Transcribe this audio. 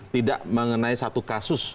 tidak mengenai satu kasus